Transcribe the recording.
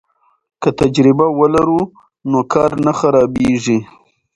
که تجربه ولرو نو کار نه خرابیږي.